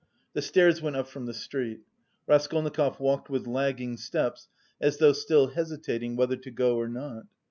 The stairs went up from the street. Raskolnikov walked with lagging steps, as though still hesitating whether to go or not.